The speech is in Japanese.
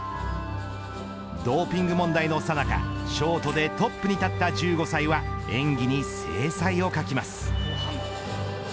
ドーピング問題のさなかショートでトップに立った１５歳は演技に精彩を欠きます。